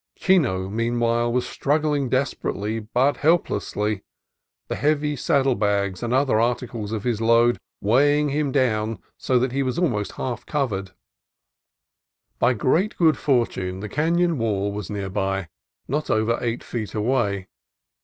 Chino, meanwhile, was struggling desperately but helplessly, the heavy saddle bags and other articles of his load weighing him down so that he was already half covered. By great good fortune the canon wall was near by, not over eight feet away.